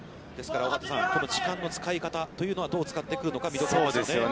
ですから、時間の使い方というのは、どう使ってくるのかは見どころです。